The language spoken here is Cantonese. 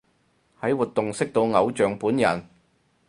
喺活動識到偶像本人